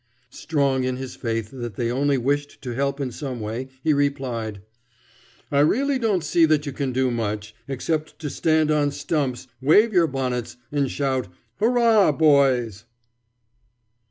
Strong in his faith that they only wished to help in some way, he replied, "I really don't see that you can do much, except to stand on stumps, wave your bonnets, and shout 'Hurrah, boys!'"